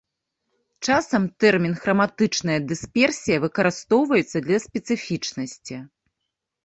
Часам тэрмін храматычная дысперсія выкарыстоўваецца для спецыфічнасці.